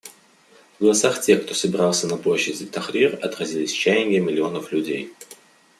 В голосах тех, кто собирался на площади Тахрир, отразились чаяния миллионов людей.